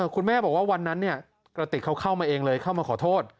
คุณแม่บอกว่าวันนั้นกระติกเขาเข้ามาเองเลยเข้ามาขอโทษ